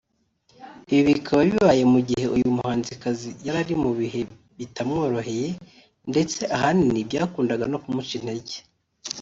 Ibi bikaba bibaye mu gihe uyu muhanzikazi yari ari mu bihe bitamworoheye ndetse ahanini byakundaga no kumuca intege